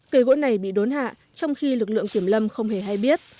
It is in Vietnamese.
cây gỗ này bị đốn hạ trong khi lực lượng kiểm lâm không hề hay biết